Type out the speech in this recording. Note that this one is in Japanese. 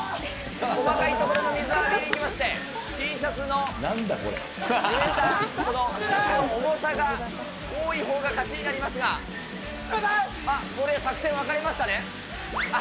高い所の水を浴びにいきまして、Ｔシャツのぬれたこの重さが多いほうが勝ちになりますが、これで作戦分かりましたね？